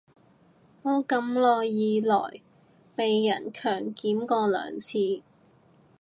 我咁耐以來被人強檢過兩次